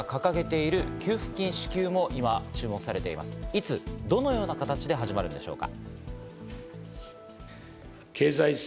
いつどのような形で始まるんでしょうか。